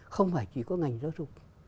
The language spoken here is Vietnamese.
không phải chỉ có ngành giáo dục